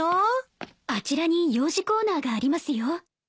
あちらに幼児コーナーがありますよ。